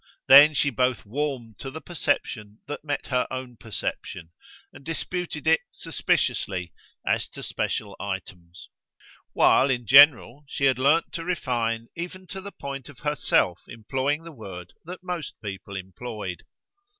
Then she both warmed to the perception that met her own perception, and disputed it, suspiciously, as to special items; while, in general, she had learned to refine even to the point of herself employing the word that most people employed.